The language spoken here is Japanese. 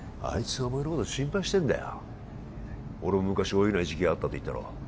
あいつはお前のこと心配してんだよ俺も昔泳げない時期があったと言ったろ